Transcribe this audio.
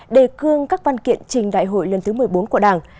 đề cương các văn kiện trình đại hội lần thứ một mươi bốn của đảng